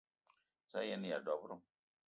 Za a yen-aya dob-ro?